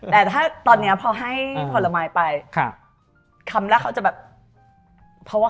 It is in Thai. แต่ถ้าตอนเนี้ยพอให้ผลไม้ไป